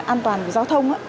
an toàn với giao thông